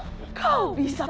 mbak jadi bingung